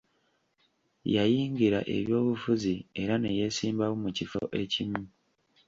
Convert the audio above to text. Yayingira eby'obufuzi era neyesimbawo ku kifo ekimu.